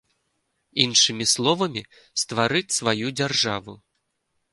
Іншымі словамі, стварыць сваю дзяржаву.